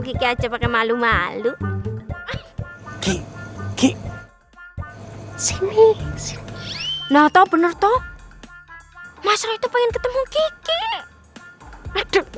kik aja pakai malu malu kiki sini sini atau bener toh masa itu pengen ketemu kiki adek